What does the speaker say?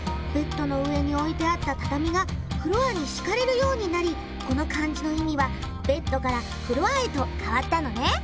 ベッドの上に置いてあった畳がフロアに敷かれるようになりこの漢字の意味は「ベッド」から「フロア」へと変わったのね。